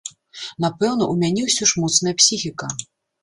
Напэўна, у мяне ўсё ж моцная псіхіка.